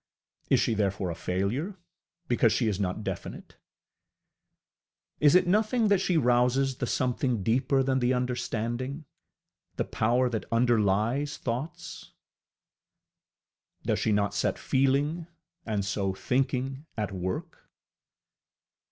Is she therefore a failure, because she is not definite? Is it nothing that she rouses the something deeper than the understanding the power that underlies thoughts? Does she not set feeling, and so thinking at work?